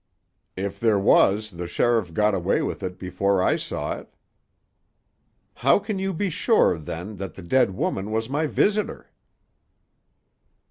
"If there was, the sheriff got away with it before I saw it." "How can you be sure, then, that the dead woman was my visitor?"